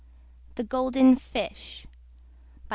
THE GOLDEN FISH By L.